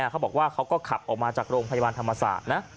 เขาก็ขับออกมาจากโรงพยาบาลธรรมศาสตร์นะ